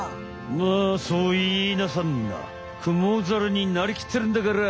まあそういいなさんなクモザルになりきってるんだから。